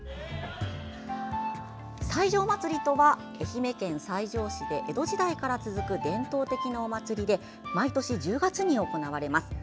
西条まつりとは愛媛県西条市で江戸時代から続く伝統的なお祭りで毎年１０月に行われます。